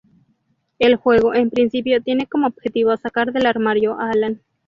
El juego en principio tiene como objetivo sacar del armario a Alan.